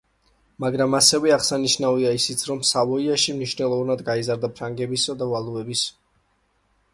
მაგრამ, ასევე აღსანიშნავია ისიც, რომ სავოიაში მნიშვნელოვნად გაიზარდა ფრანგებისა და ვალუების გავლენა.